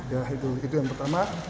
ya itu yang pertama